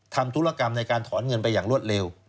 ธุรกรรมในการถอนเงินไปอย่างรวดเร็ว